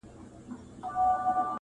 آیینې ولي مي خوبونه د لحد ویښوې!